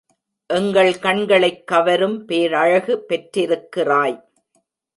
எங்கள் கண்களைக் கவரும் பேரழகு பெற் றிருக்கிறாய்!